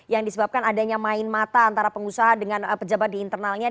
yang disebabkan adanya main mata antara pengusaha dengan pejabat di internalnya